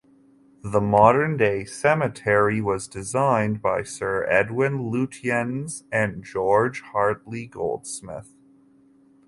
The modern day cemetery was designed by Sir Edwin Lutyens and George Hartley Goldsmith.